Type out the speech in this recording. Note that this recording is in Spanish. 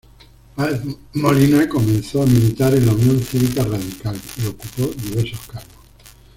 Páez Molina comenzó a militar en la Unión Cívica Radical y ocupó diversos cargos.